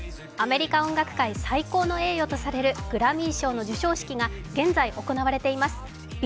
アメリカ音楽界最高の栄誉とされるグラミー賞の授賞式が現在行われています。